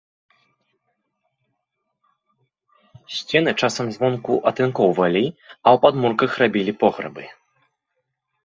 Сцены часам звонку атынкоўвалі, а ў падмурках рабілі пограбы.